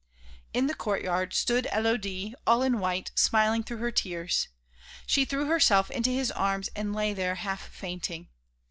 In the courtyard stood Élodie, all in white, smiling through her tears; she threw herself into his arms and lay there half fainting.